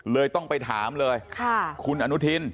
ต้องไปถามเลยคุณอนุทิน